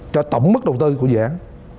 cho tổng mức đầu tư của dự án